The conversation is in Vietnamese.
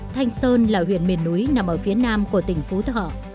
thanh sơn là huyện miền núi nằm ở phía nam của tỉnh phú thọ